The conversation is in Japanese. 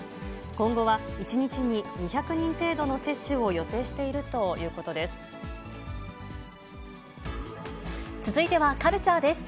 今後は１日に２００人程度の接種を予定しているということです。